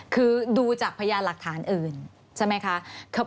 คือดูจากพยานหลักฐานอื่นใช่ไหมคะ